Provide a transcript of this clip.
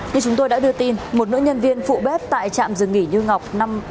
như chúng tôi đã đưa tin một nữ nhân viên phụ bếp tại trạm dừng nghỉ như ngọc ba trăm năm mươi tám